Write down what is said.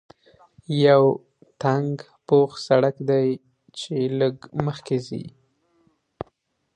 یو تنګ پوخ سړک دی چې لږ مخکې ځې.